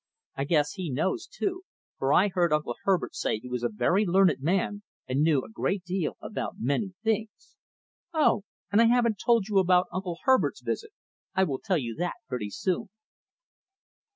I guess he knows, too; for I heard Uncle Herbert say he was a very learned man, and knew a great deal about many things. Oh! I haven't told you yet about Uncle Herbert's visit. I will tell you that pretty soon.